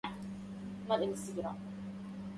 كم رأينا من أناس هلكوا